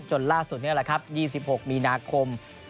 ล่าสุดนี่แหละครับ๒๖มีนาคม